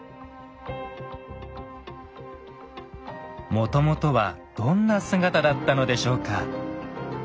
もともとはどんな姿だったのでしょうか？